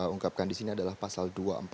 ungkapkan di sini adalah pasal dua ratus empat puluh